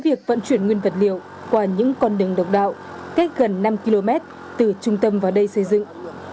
việc vận chuyển nguyên vật liệu qua những con đường độc đạo cách gần năm km từ trung tâm vào đây xây dựng